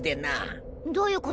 どういう事？